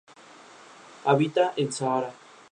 Habita en Sahara.